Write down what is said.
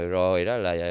rồi đó là